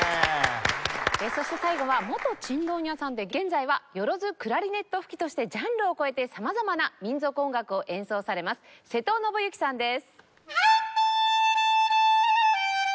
そして最後は元チンドン屋さんで現在はよろずクラリネット吹きとしてジャンルを超えて様々な民族音楽を演奏されます瀬戸信行さんです。